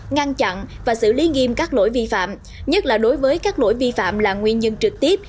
ngăn chặn và xử lý nghiêm các lỗi vi phạm nhất là đối với các lỗi vi phạm là nguyên nhân trực tiếp